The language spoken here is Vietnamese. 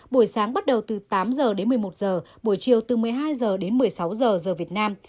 buổi sáng bắt đầu từ tám h đến một mươi một giờ buổi chiều từ một mươi hai h đến một mươi sáu giờ giờ việt nam